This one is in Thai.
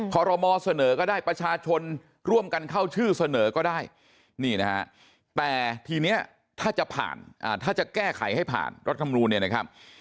ขอรมอเสนอก็ได้ประชาชนร่วมกันเข้าชื่อเสนอก็ได้นี่นะฮะแต่ทีนี้ถ้าจะผ่านถ้าจะแก้ไขให้ผ่านรัฐธรรมนูลเนี่ยนะครับ